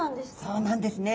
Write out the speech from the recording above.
そうなんですね。